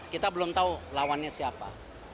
kita belum tahu lawannya siapa